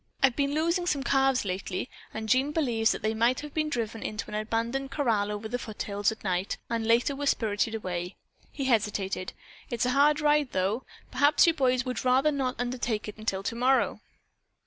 I've been losing some calves lately and Jean believes that they might have been driven into an abandoned corral over in the foothills at night, and later were spirited away." He hesitated. "It's a hard ride, though. Perhaps you boys would rather not undertake it until tomorrow."